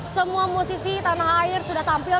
semua musisi tanah air sudah tampil